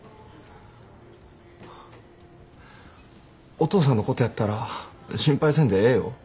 お父さんのことやったら心配せんでええよ。